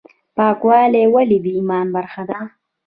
پاکوالی ولې د ایمان برخه ده؟